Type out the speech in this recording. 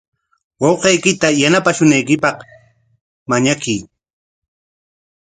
Wawqiykita yanapashunaykipaq mañakuy.